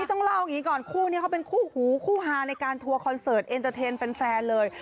ต้องเล่าอย่างนี้ก่อนคู่นี้เขาเป็นคู่หูคู่ฮาในการทัวร์คอนเสิร์ตเอ็นเตอร์เทนแฟนเลย